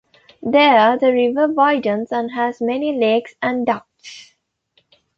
There, the river widens and has many lakes and ducts.